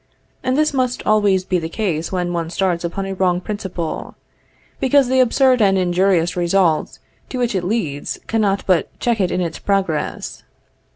And this must always be the case when one starts upon a wrong principle, because the absurd and injurious results to which it leads, cannot but check it in its progress.